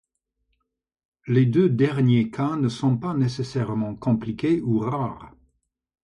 Les deux derniers cas ne sont pas nécessairement compliqués ou rares.